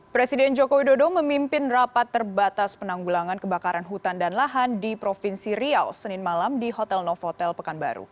presiden jokowi dodo memimpin rapat terbatas penanggulangan kebakaran hutan dan lahan di provinsi riau senin malam di hotel novotel pekanbaru